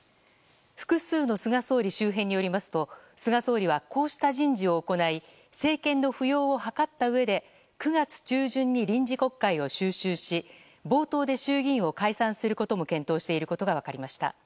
複数の菅総理周辺によりますと菅総理はこうした人事を行い政権の浮揚を図ったうえで９月中旬に臨時国会を召集し冒頭で衆議院を解散することも検討していることが分かりました。